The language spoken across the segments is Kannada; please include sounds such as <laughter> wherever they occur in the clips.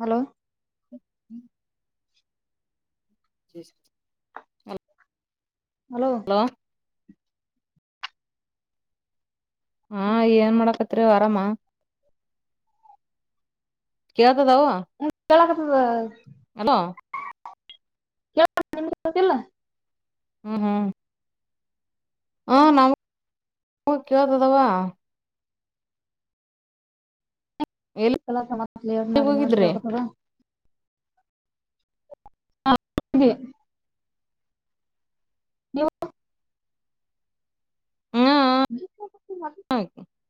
ಹಲೋ. <inaudible> <inaudible> ಹಲೋ. ಹಲೋ. ಹಾ ಏನ್ ಮಾಡಕತ್ರಿವ್ ಆರಾಮ. ಕೇಳ್ತದವ್. ಹ್ಮ್ ಕೆಳ್ಕತ್ದ್. ಹಲೋ. <unintelligible> ಹ್ಮ್. ಹ್ಮ್ ಹಾ ನಮ್ಗ್ ಕೇಳತದವಾ. ಎಲ್ಲಿಗ್ ಹೋಗಿದ್ರಿ <unintelligible> <inaudible> ನೀವು, ಹ್ಮ <inaudible>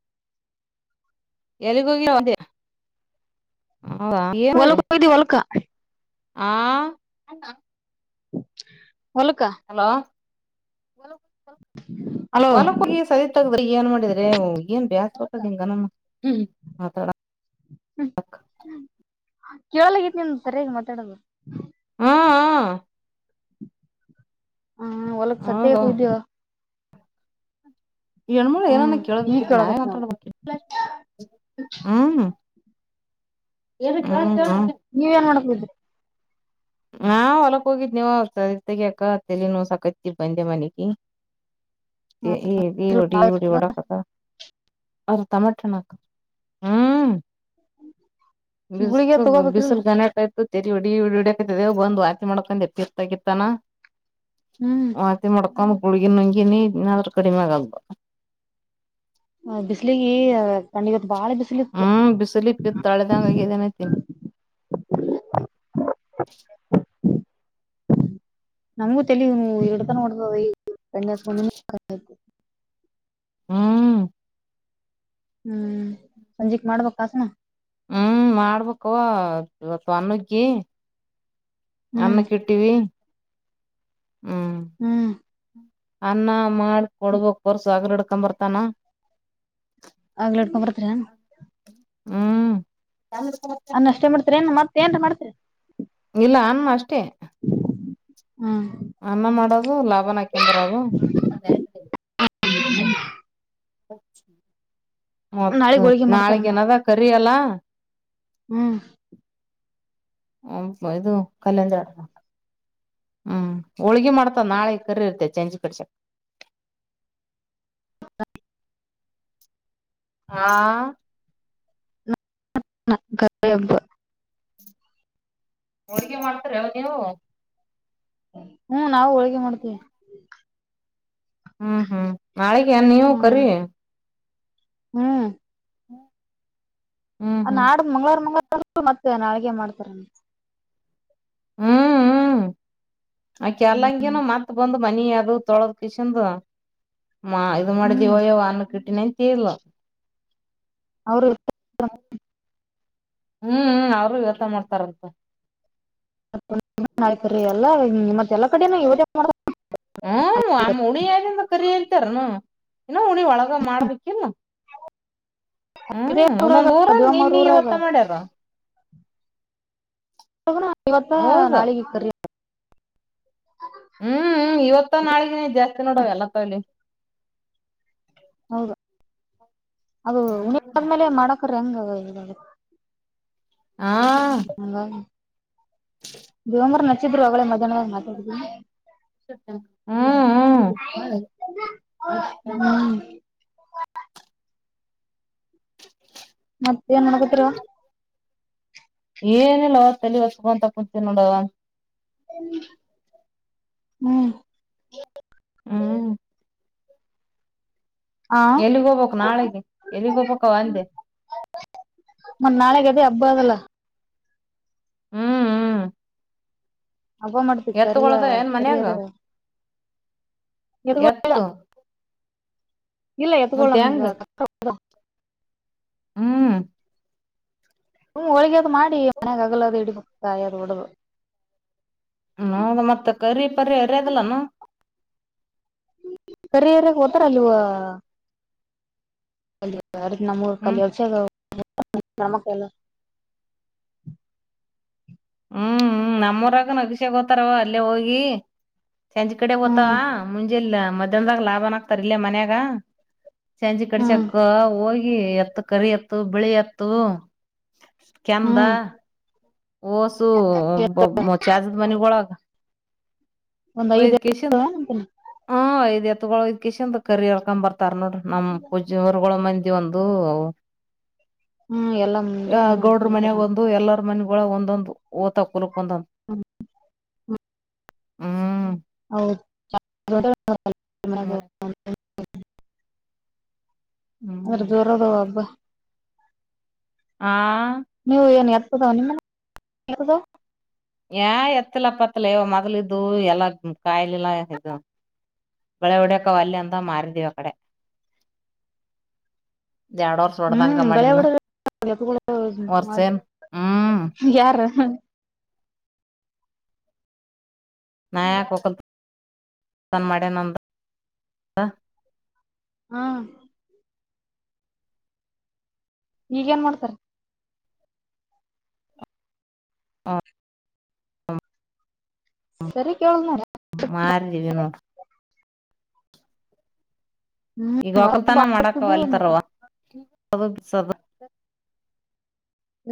ಎಲ್ಲಿಗಿ ಹೋಗಿಯವ್ವ ಅಂದೇ. ಹೌದ ಏನ್ ಮಾಡ್ರಿ. ಹೋಗಿದ್ದಿ ಹೊಲಕ ಹಾ ಹೊಲಕ್ಕ ಹಲೋ ಹಲೋ ಹೂಲಕ್ ಹೋಗಿ ಏನ್ ಮಾಡಿದ್ರೆ ಏನ್ ಬ್ಯಾಸ್ರರ ಬತತ್ದಿಂಗ ಮಾತಾಡ ಕೇಳಲಆಗೆತಿ ನಿನ್ ಸರಿಯಾಗಿ ಮಾತಾಡೋದು ಹೂಂ ಹೂಂ - ಹ ಹೊಲಗ್ ಸದ್ಯಗ ಹೌದು ಹೋಗಿದ್ಯಾವ ಮೂಳ ಹ್ಮ್ ಏನನ ಕ ಈಗ ಕೇಳಾಕತ್ ಕೆೇಳಬೇಕನಂತಡ ನೋಡು ಬ <unintelligible> ಹ್ಮ. ಹಮಮ್ಮ- <unintelligible> ನೀ ಏನ್ ಮಾಡಕ್ ಹೋಗಿದ್ರಿ ಹಾ ಹೊಲಕ್ ಹೋಗಿದ್ನೇವ ಕಳೆತಗಯಾಕ ತಲಿ ನೋವ್ ಸಾಕತ್ತಿ ಬಂದೆ ಮನೆಗೆ ಈ ಈ ಒಡಿ ಒಡಿ ಒಡಕತ್ತಲಾ ಅವ ಟಮಾಟಿ ಹಣ್ಣ ಹಾಕ ಹೂಂ ಗುಳಿಗೆ ಬಿಸಲ್ ತಗೋಬೇಕ್ರಿ ಬಿಸೂಲು ಗಣತ ಪ ಐತಿ. <unintelligible> ತಲಿ ಹೊಡಯಕತದ ಬಂದ್ ವಾಂತಿ ಮಾಡ್ಕೊಂಡೆ ಪಿತ ಆಗಿತ್ತಾನ ಹ್ಮ್ ಮಾಡ್ಕೊಂಡ್ ಗುಳಗಿ ನುಂಗಿನಿ ಇನಾದ್ರು ಕಡಿಮೆ ಆಗಿಲ ಬಿಸ್ಲಿಗಿ ಕಂಡ ಇವತ್ತು ಬಾಳ ಬಿಸ್ಲಿ ಇತ್ತು. ಇತ್ತಾಳೆದಂಗಗೆ ಇದನೆ ಅಕಿನ ನಮಗು ತಲಿನೂವು ಎಟ ದಿನಾ ನೋದದ ಇಗ ಯಣಿ ಹಚ್ಚಕೊಂಡೀನಿ ಹೆ <unintelligible> ಹ್ಮ ಹ್ಮ್ ಸಂಜಿಕ್ ಮಾಡ್ಬೇಕ ಆದನಾ? ಹ್ಮ್ ಮಾಡ್ಬೇಕು ಸ್ವಲ್ಪ ಅನ್ನಗ್ಗಿ ಹ್ಮ್ ಅನ್ನಕ್ಕ ಇಡಬೇಕು ಟ್ಟಿವಿ ಹ್ಮ್ ಹ್ಮ್ ಅನ್ನ ಮಾಡ ಕೊಡ್ಬೇಕಕ್ ಹೊರ್ಸಾಗರ್ ಹಿಡ್ಕೊಂಡ ಬರ್ತಾನ ಆಗ್ಲಿ ಇಡ್ಕೊಂಬ ಬರ್ತೀರೇನು ಹ್ಮ್ ಅನ್ನ ಅಷ್ಟೇ ಮಾಡ್ತರಿ ಏನ್ ಮತ್ತೆ ಏನ್ರೀ ಮಾಡ್ತಿರಿ ಇಲ್ಲ ಅನ್ನ ಅಷ್ಟೇ ಹ್ಮ ಅನ್ನ ಮಾಡೋದು ಲಾಭನ ಹಾಕೊಂಡುಬರುದು ಹ್ಮ ಮತ್ ನಾಳಿಗ್ ಹೋಳ್ಗಿ ನಾಳಗ್ ಮಾಡ್ತಾರನ ಏನದ ಕರಿ ಅಲ್ಲಾ ಹ್ಮ್ ಹ ಇದು ಕಲ್ಯಾಣ ಜಡ ಹ್ಮ್ ಹೋಳ್ಗಿ ಮಾಡ್ತ ನಾಳಗ್ ಕರಿ್ರ ಇರ್ತೆ ಚೆಂಚಿ ಕಡ್ಚ ಹ ಹಾ ನ ಕ ಹಬ್ಬ <unintelligible> ಹೋಳ್ಗೆ ಮಾಡ್ತಿರಾ ನೀವು ಹ್ಮ್ ನಾವು ಹೋಳ್ಗೆಿ ಮಾಡ್ತೀವಿ ಹ್ಮ್ ಹ್ಮ್ ನಾಳೆಗೆನ್ ನೀವು ಹ್ಮ್ ಕರಿ ಹ್ಮ್ ಹ್ಮ ನಾಡ್ ಮಂಗ್ಲರ್ ಮಂಗ್ಲರ್ ಮತ್ತೆ ನಾಳೆಗೆ ಮಾಡ್ತರೇನ. ಹ್ಮ್ ಹ್ಮ್ ಅಕ್ಕಿ ಹ್ಮ್ ಅಲ್ಲಂಗಿನು ಮತ್ ಬಂದು ಮನಿ ಅದು ತೊಳೆದ್ ಕಿಶನ್ದು ಮಾ ಇದು ಹ್ಮ್ ಮಾಡಿದೀವಯ್ಯವ ಅನ್ನ ಕಿಟ್ಟಿನಿ ಅಂತಿದ್ಲ್. ಅವ್ರು <inaudible> ಹ್ಮ್ ಹ್ಮ್ ಅವ್ರು ಇವತ್ತ ಮಾಡ್ತಾರಂತ. <inaudible> ಮತ್ತೆ ಎಲ್ಲಾ ಮತ್ ಎಲ್ಲ ಕಡಿನು ಇವ್ರ್ ಯಾಕ್ ಹ್ಮ್ ಅಮ್ ಹುಳಿಏನೇನ್ದಕರಿ ಎಂತರ್ನು ನಾ ಹುಳಿ ಒಳಗ ಮಾಡ್ಬೇಕಿಲ್ಲ. ಹ್ಮ್ <inaudible> ಒಂದೊಂದ್ ಊರಾಗ ಅದುಮ್ಮರ್ ನಿನ್ನಿ ಊರಾಗ. ಇವತ್ತ ಮಾಡ್ಯಾರ <unintelligible> ಇವತ್ತ ಹೌದು ನಾಳಿಗ್ ಈಕ್ಕರೀ. <inaudible> ಹ್ಮ್ ಹ್ಮ್ ಇವತ್ತ ನಾಳೆಗೆ ಜಾಸ್ತಿ ನೋಡು ಎಲ್ಲ ತವ್ಲಿ. ಹೌದ ಅದು ಉಣಿ ಆದ್ಮೇಲೆ ಮಾಡಕ್ ಹೋದ್ರೆ ಹೆಂಗ್ <unintelligible> ಹಾಂ. ಹಂಗ ದಿವಂಗರ್ ನಚ್ಚಿದ್ರು ಅವಗ್ಳೆ ಮಧ್ಯಾಹ್ನ ಮಾತಾಡಿದ್ರು. ಹ್ಮ್ ಹ್ಮ್ ಹ್ಮ್. ಮತ್ತೇನ್ ಮಾಡಾಕತ್ತಿರವ. ಏನಿಲ್ಲ ಅವ ತಲೆ ಹೊಸ್ಕೊಂತ ಕುಂತಿನ್ ನೋಡವ. ಹ್ಮ್. ಹ್ಮ್. ಆ ಎಲ್ಲಿಗ್ ಹೋಬೊಕ್ ನಾಳೆಗೆ ಎಲ್ಲಿ ಹೋಗ್ಬಕ್ಕವ ಅಂದೆ. ಮನ್ ನಾಳೆಗೆ ಅದೆ ಹಬ್ಬ್ ಅದಲ್ಲ. ಹ್ಮ್ ಹ್ಮ್. ಹಬ್ಬ ಮಾಡ್ತೀವಿ ಕರಿಯ ಎತ್ಗೊಳದ್ ಏನ್ ಮನ್ಯಾಗ ಕರಿಯರ ಎತ್ಗೋ ಎತ್ತು. ಇಲ್ಲ ಎತ್ಗೊಳ್ ಮತ್ ನಮ್ಗ ಹೆಂಗ ಅಕ್ಕ. ಹ್ಮ್. ಹ್ಮ್ ಹೋಳ್ಗೆದ್ ಮಾಡಿ ಮನ್ಯಾಗಾಗಲ್ಲ ಅದು ಹಿಡಿಬೊಕ್ <unintelligible> ಮುಗ್ ಮತ್ತೆ ಕರಿ ಪರಿ ಎರಿಯದಿಲ್ಲೆನ. ತರಿಎರಿಯಕ್ ಓತ್ತರ ನೀವು. ನಮ್ಮೂರ್ ಹ್ಮ್ ಕಲ್ಯೊಚಿಗ <unintelligible> ಹ್ಮ್ ಹ್ಮ್ ನಮ್ಮೂರಾಗ ನಗ್ಷಿಯ ಗೊತ್ತಾರ್ ಅವ ಅಲ್ಲೇ ಹೋಗೀ ಸಂಜ್ ಕಡೆ ಓತಾವ. ಹ್ಮ್ ಮುಂಜೆಲ್ಲ ಮಧ್ಯಾಹ್ನದಾಗ್ ಲಾಭನ್ ಆಗ್ತಾರ ಇಲ್ಲ ಮನ್ಯಾಗ ಸಂಜೆ ಹ್ಮ್ ಕೆಡಸೆಕ್ಕ ಹೋ ಗಿ ಎತ್ತ್ ಕರಿ ಎತ್ತು ಬಿಳಿ ಎತ್ತೂ ಕೆಂದ. ಹ್ಮ್ ಓಸು <unintelligible> ಹೊಳಗ. ಒಂದ್ ಐದ್ ಏನೋ ವಯ್ಕಿಶಂತ್ ಅಂತೀನಿ ಹಾಂ ಇದ್ ಎತ್ತ್ಗೊಳ್ಕಿಶಂದ್ ಕರಿ ಹಳ್ಕೊಂಡ್ ಬರ್ ತರ್ ನೋಡ್ರಿ ನಮ್ ಪೂಜ್ಯ ಹೊರ್ಗಳ್ ಮಂದಿ ಒಂದೂ ಹ್ಮ್ ಎಲ್ಲಾ ಯ ಮುಂಜಾಗ ಒಂದೊಂದ್ ಗೌಡ್ರು ತಗೋತಾರ ಮನ್ಯಾಗ್ ಒಂದು ಎಲ್ಲ. ಮನ್ಗೊಳಲ್ ಒಂದೊಂದು ಓತಾ ಕುಲಕ್ ಒಂದು ಹ್ಮ್ ಹ್ಮ್. <inaudible> ಹೌದ್ ಹ್ಮ್ ಜೋರಾದವ್ ಹಬ್ಬ. ಹಾಂ. ನೀವ್ ಏನ್ ಎತ್ತ್ದವ್ ನಿಮ್ ಮನೆ ಯಾರ್ ಅದು. ಯಾಏ ಎತ್ತಿಲ್ಲಪತ್ತಿಲ್ಲ ಯ ಮೊದ್ಲ್ ಈದ್ದು ಎಲ್ಲ ಕಾಯಿಲೆಲ್ಲ ಈದು. ಒಳೆ ಹೊಡ್ಯಕ್ ಅವ್ ಅಲ್ಲೆ ಅಂತ ಮಾರಿದೀವಿ ಅ ಕಡೆ. <unintelligible> ಎರಡ್ ವರ್ಷ ಹೊಡ್ದಂಗ ಹ್ಮ್ ಗಳೆ ಮಾಡಿದ್ನ ಹೊಡಿಯೋದು ವರ್ಷ ಏನ್ <unintelligible> ಹ್ಮ್ ಯಾರ ಹಾ ಕೊಪ್ಪದ್ ತಂದ್ ಮಾಡ್ಯನತ್ತ್ ಹಾ ಈಗ ಏನ್ ಮಾಡ್ಡ್ತಾರೆ. ಸರಿ ಕೇಳದೊ ನೋಡ್ ಮಾರಿದೀವಿ ನೋಡ ಹ್ಮ್ ಈಗ ವಕಲ್ತನ ಮಾಡಕ ಅಲ್ಲ ಎತ್ತದು ತರವ <inaudible> ಬದು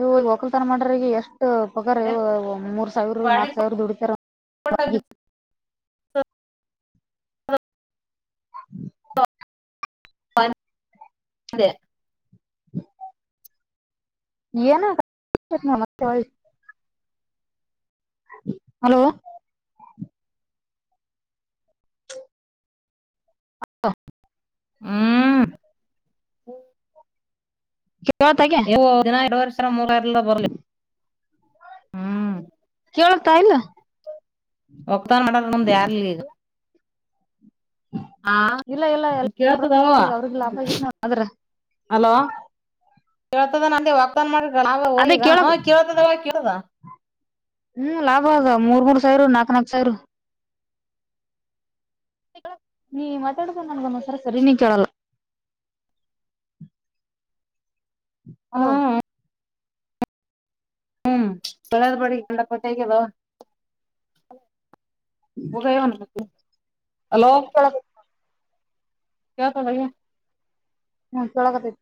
ಓಹೋ ಈ ವಕಲ್ ತರ ಮಾಡ್ರ ಈಗ ಎಷ್ಟ ಒಗರ್ ಯವ್ವ ಮೂರ್ ಸಾವಿರ ನಾಕ ಸಾವಿರ ದುಡತಾರ <unintelligible> <unintelligible> ಏನ <unintelligible> ಮತ್ತೆ ಒಳ್ಳಿ <inaudible> ಹಲೋ <inaudible> ಹ್ಮ್ <inaudible> <inaudible> ದಿನಾ ಇರೋರ್ ಮುರವರೇ ಸಾವಿರ ಇಲ್ಲದ ಬರಲ್ಲೋ ಈಗ ಕೇಳತಾ ಇಲ್ಲ ಒಗ್ತಾನ ಮಾಡ್ರ ನಮ್ದ್ ಯಾರ್ಲಿ ಈಗ. <inaudible> ಹಾ ಇಲ್ಲ ಇಲ್ಲ ಎಲ್ಲ ಕಳ್ತದ ವಾ ಈಗ ಅವ್ರಿಗೆ ಲಾಭ ಆಗಿತ್ ನೋಡ್ ಅದ್ರ ಅಲೋ ಕೇಳ್ತದ ನಂದ ವಾಗ್ದಾನ ಮಾಡ್ರ ಅದೇ ಅವಗ ಕೇಳಕ್ ಕಳ್ತದವ ಕೇಳದ ಹ್ಮ್ ಲಾಭವಗ ಮೂರ್ ಮೂರ್ ಸಾವಿರ ನಾಕ ನಾಕ ಸಾವಿರ <unintelligible> ನೀ ಮಾತಾಡಕೊಂಡ ನನ್ಗ ಒಂದ ಒಂದ ಸರಿ ನೇ ಕೇಳಲ್ಲ ಹಲೋ ಹ್ಮ್ ಹ್ಮ್ ಒಳೆದ ಬಡಿಗೆ ಕಲ್ಲ ಪಟ್ಟೆ ಅಗಿದೇವ <inaudible> ಹೋಗ ವಾ ಹಲೋ <inaudible> ಕೇಳ್ಕೊಂಡ್ ಹೋಗ್ಯಾಳ ಕ್ಲಾಸ್ ಒಳಗಅದಿನಿ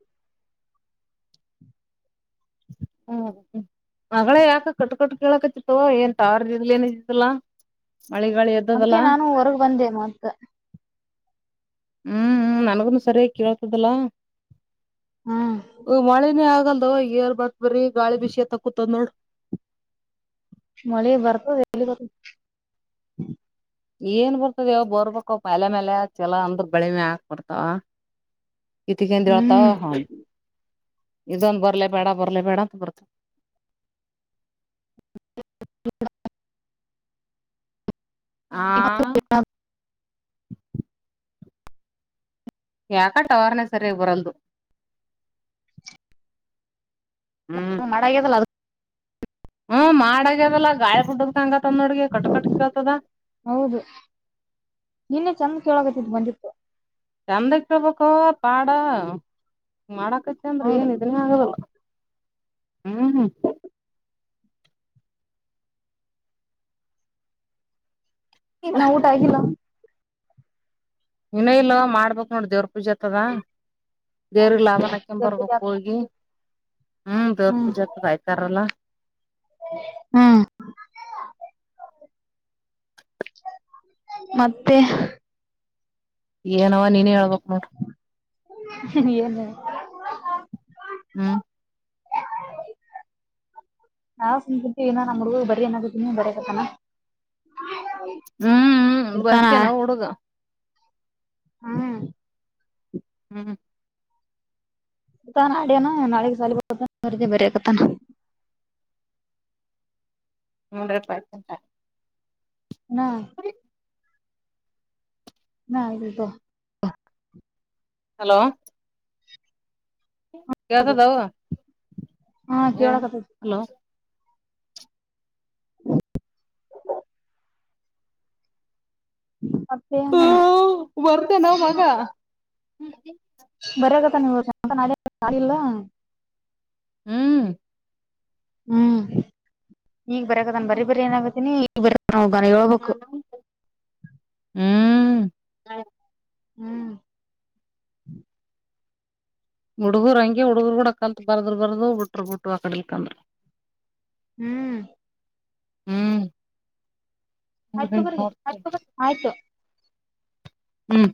ಹ್ಮ್ಮ ಮಗಳೇ ಯಾಕ ಕಟ್ ಕಟ್ ಕೇಳಕತ್ತತ್ವ ಏನ್ ಟಾವರ್ ಇದಿದ್ಲ ಏನ ಇದತ್ತಲಾ ಮಳಿ ಗಾಳಿ ಅದಕ್ಕೆ ನಾನು ಹೊರಗ ಬಂದೆ ಮತ್ತ ಹು ಹು ನನಗನು ಸರಿಯ ಕೇಳ್ತದಲ್ಲ ಹ್ಮ್ <inaudible> ಹ ಮಳೆನೇ ಆಗಲ್ದವ ಏರ್ ಮತ್ತ್ ಬರಿ ಗಾಳಿ ಬಿಸಿಕೂತಕುಂತೇತಿ ನೋಡ ಮಳೆ ಬರ್ತದೆ ಎಲ್ಲಿ ಏನ್ ಬರ್ತದವ್ ಬೋರ್ಬೇಕ ಅವ ಮೇಲೆ ಚಲೋ ಅಂದ್ರ ಬೆಳಿಮೆ ಹಾಕ್ಬಡ್ತಾವ. ಕಿತಿ ಕಿಂದ ಹಳ್ತಾವ ಹ್ಮ್ ಹ <inaudible> <inaudible> ಇದೊಂದು ಬರ್ಲೇ ಬೇಡ ಬರಲೇ ಬೇಡ ಅಂತ ಬರ್ತ <unintelligible> ಹಾ ಯಾಕ ಟವರ ನೇ ಸರಿಯಾಗಿ ಬರವಲ್ಲ್ದ ಹು ಮಾಡ ಆಗೇತಿ ಅಲ್ಲ ಅದಕ್ಕ್ ಹ್ಮ್ ಮಾಡಗ್ಯದಲ್ಲ ಗಾಳಿ ಬಿಟ್ಟಿದ್ದಕ್ಕ್ ಹಂಗ್ತಾ ನೋಡಗ ಕಟ್ಟ ಕಟ್ಟ ಕೆಳತದ್. ಹೌದು <inaudible> ನೀನ್ನೇ ಚಂದ ಕೇಳೋಗತ್ತಿ ಬಂದಿತ್ತು. ಚಂದಕ್ ಕಳ್ಬೇಕು ಪಾಡ ಮಾಡಕತ್ತ್ ಅಂದ್ರ ಹೌದು ಏನ್ ಇದನ್ ಆಗದಲ್ಲ. ಹಾ ಹಾ <inaudible> ಇನ್ನಾಊಟ ಆಗಿಲ್ಲ. ಇನೋ ಇಲ್ ಮಾಡ್ಬೇಕ್ ನೋಡ ದೇವ್ರ ಪೂಜೆತದ ದೇವ ಲಾಭನಹಾಕಂಬ್ ಜರ್ತಿ ಬರ್ಬೇಕ ಹೋಗಿ. ಹ್ಮ್, ದೇರ್ ಪೂಜೆ ಹಾತದ ಆಯ್ತಾರಲ್ಲಾ. ಹ್ಮ್, ಮತ್ತೆ, ಏನವ ನೀನೇ ಹೇಳ್ಬಬೇಕ್ ನೋಡ ಇಏನು <unintelligible> ಹ್ಮ್, ಹ <inaudible> ನಾವು ಸುಮ್ಮಕುಂತೀವಿಬರಿ ಅನಕತ್ತೀನಿ ಬರೆ ಕತನ. ಹ್ಮ್, ಹ್ಮ್ ಬರ್ತೇ ನಾವ ಹುಡುಗ. ಹ್ಮ್, ಹ್ಮ್, ಆಟಾಡ್ಯನ ನಾಳೆಗಿ ಸಾಲಿ ಬ <unintelligible> ಬರಕತಾನ ಮೂಡೂಪಾಯತ <unintelligible> ಹಾ <inaudible> ನಾ ಇದು <unintelligible> ಹಲೋ, ಕೇಳ್ತಾ ದವ್ವ ಹಾ ಕೇಳಕತ್ತೈತಿ ಹಲೋ ಅಪ್ಪೇ ಹಾ <unintelligible> ವರ್ಧ <unintelligible> ನ ಮಗ ಬರೆಕತನ ಇವಾಗ ನಾಳೆಯಿಂದ ಸಾಲಿ ಇಲ್ಲಾ ಹ್ಮ್, ಹ್ಮ್ ಈಗ್ ಬರೆಕತಾನ್ ಬರೀ ಬರಿ ಏನಾಗತ್ತೀನಿ ಈ ಬರಕತನ ಗನ ಹೇಳ್ಬೇಕು. ಹ್ಮ್, ಹ್ಮ್, ಹುಡುಗರು ಹಂಗೆ ಹುಡುಗರು ಕೂಡ ಕಲ್ತ ಬರ್ದರು ಬರ್ದ ಬಿಟ್ರರು ಬಿಟ್ಟು ಆ ಕಡಲಿಕಂದ್ರ. ಹ್ಮ್, ಹ್ಮ್, ಆಯ್ತ್ ತಗೋರಿ ಆಯ್ತ್ ಹ್ಮ್,